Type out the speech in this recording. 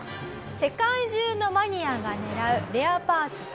世界中のマニアが狙うレアパーツ３００個。